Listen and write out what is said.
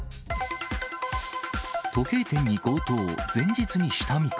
時計店に強盗、前日に下見か。